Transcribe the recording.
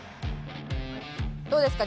どうですか？